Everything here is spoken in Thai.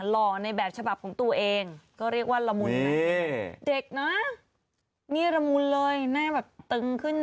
หล่อในแบบฉบับของตัวเองก็เรียกว่าละมุนนะเด็กนะนี่ละมุนเลยหน้าแบบตึงขึ้น